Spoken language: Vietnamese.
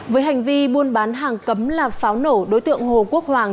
với hành vi buôn bán hàng cấm là pháo nổ đối tượng hồ quốc hoàng